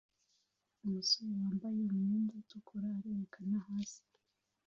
Umusore wambaye umwenda utukura arerekana hasi